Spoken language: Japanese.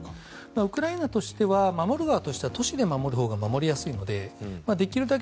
ウクライナとしては守る側としては都市で守るほうが守りやすいのでできるだけ